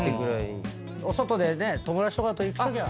お外で友達とかと行くときは。